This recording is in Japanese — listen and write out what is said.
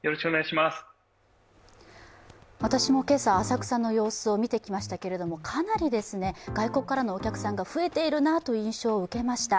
私も今朝、浅草の様子を見てきましたけれども、かなり外国からのお客さんが増えているなという印象を受けました。